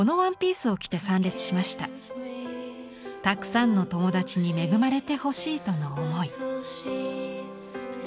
たくさんの友達に恵まれてほしいとの思い」。